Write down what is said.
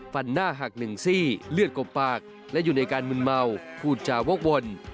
หน้าหักหนึ่งซี่เลือดกบปากและอยู่ในการมึนเมาพูดจาวกวน